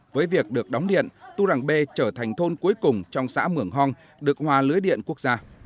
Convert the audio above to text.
với việc được đóng điện tu rằng bê trở thành thôn cuối cùng trong xã mưởng hòn được hòa lưới điện quốc gia